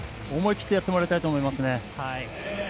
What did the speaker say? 思い切ってやってもらいたいと思いますね。